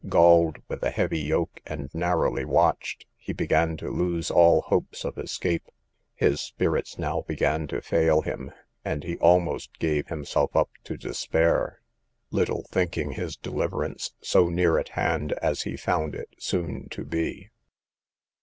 Galled with a heavy yoke and narrowly watched, he began to lose all hopes of escape; his spirits now began to fail him, and he almost gave himself up to despair, little thinking his deliverance so near at hand, as he found it soon to be.